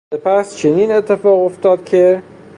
سپس چنین اتفاق افتاد که...